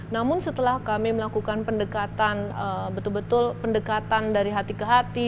namun setelah kami melakukan pendekatan betul betul pendekatan dari hati ke hati